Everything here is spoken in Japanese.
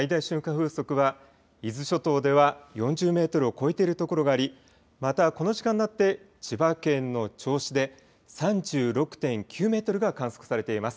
風速は伊豆諸島では４０メートルを超えているところがありまた、この時間になって千葉県の銚子で３６．９メートルが観測されています。